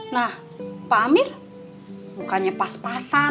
nah pak amir bukannya pas pasan